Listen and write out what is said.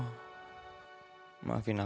aku bisa jadi suami yang baik